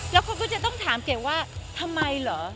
อยากถามเกรดว่าทำไมเหรอ